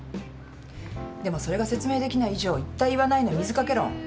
でもそれが説明できない以上言った言わないの水掛け論。